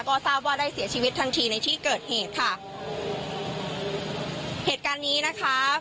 ก็ทราบว่าได้เสียชีวิตทันทีในที่เกิดเหตุค่ะเหตุการณ์นี้นะคะ